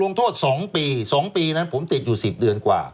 ลงโทษ๒ปี๒ปีนั้นผมติดอยู่๑๐เดือนกว่า